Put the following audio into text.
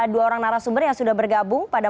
dua orang narasumber yang sudah bergabung pada